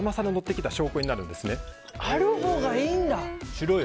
白い。